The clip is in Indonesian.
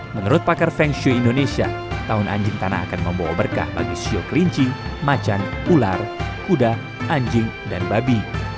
menurut pakar feng shui indonesia tahun anjing tanah akan membawa berkah bagi sio kelinci macan ular kuda anjing dan babi